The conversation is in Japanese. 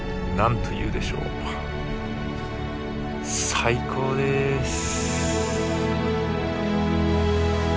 最高です！